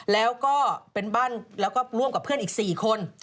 แล้วก็เป็นบ้านแล้วก็ร่วมกับเพื่อนอีก๔คน